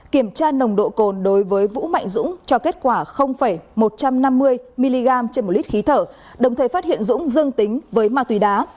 kiểm tra nồng độ cồn đối với vũ mạnh dũng cho kết quả một trăm năm mươi mg trên một lít khí thở đồng thời phát hiện dũng dương tính với ma túy đá